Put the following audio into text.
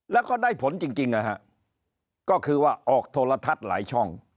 แล้วก็ได้ผลจริงนะฮะก็คือว่าออกโทรทัศน์หลายช่อง